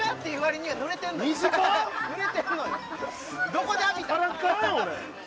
どこで浴びた？